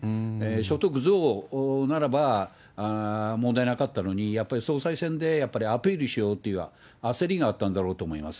所得増ならば問題なかったのに、やっぱり総裁選で、やっぱりアピールしようっていう焦りがあったんだろうと思います。